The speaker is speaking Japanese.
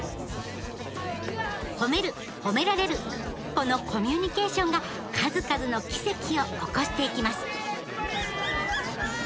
このコミュニケーションが数々の奇跡を起こしていきます！